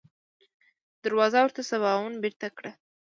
دروازه ورته سباوون بېرته کړه.